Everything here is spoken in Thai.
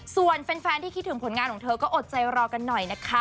ส่วนแฟนที่คิดถึงผลงานของเธอก็อดใจรอกันหน่อยนะคะ